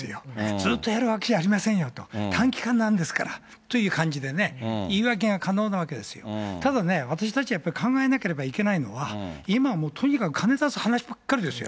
ずっとやるわけじゃありませんよと、短期間なんですからという感じでね、言い訳が可能なわけですよ、ただね、私たちはやっぱり考えなければいけないのは、今はもうとにかく、金出す話ばっかりですよ。